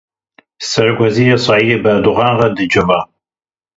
Serokwezîrê Îsraîlê bi Erdogan re dicive.